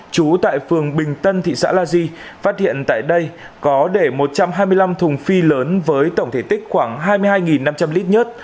trú tại phường bình tân thị xã la di phát hiện tại đây có để một trăm hai mươi năm thùng phi lớn với tổng thể tích khoảng hai mươi hai năm trăm linh lít nhớt